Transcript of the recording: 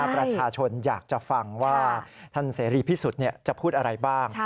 ประชาชนอยากจะฟังว่าท่านเสรีพิสุทธิ์จะพูดอะไรบ้าง